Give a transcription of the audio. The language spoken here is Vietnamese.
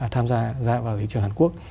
tham gia vào thị trường hàn quốc